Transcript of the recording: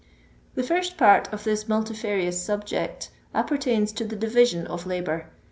The first part of this multifarious subject apper tains to the division of labour.